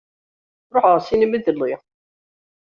Ṛuḥeɣ ar ssinima iḍelli.